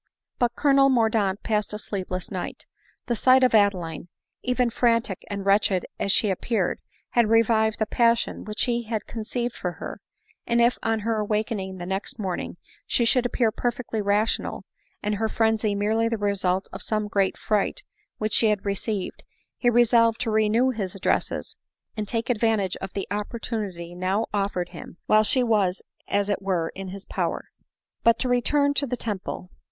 But Colonel Mordaunt passed a sleepless night. The sight of Adeline, even frantic and wretched as she ap J reared, had revived the passion which he had conceived or her ; and if on her awaking the next morning she should appear perfectly rational, and hpr frenzy merely the result of some great fright which she had received, he resolved to renew his addresses, and take advantage of the opportunity now offered him, while she was as it were in his power. But to return to the Temple.